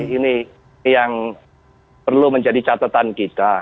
ini yang perlu menjadi catatan kita